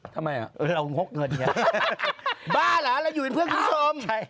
ทำไมอ่ะเรางกเงินบ้าเหรอเราอยู่กับเพื่อนคุณสมใช่